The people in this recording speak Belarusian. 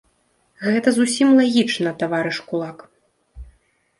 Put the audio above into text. Гэта зусім лагічна, таварыш кулак!